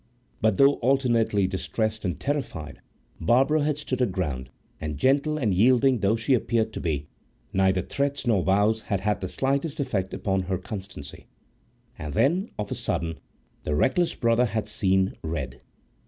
But though alternately distressed and terrified, Barbara had stood her ground, and, gentle and yielding though she appeared to be, neither threats nor vows had had the slightest effect upon her constancy. And then, of a sudden, the reckless brother had "seen red."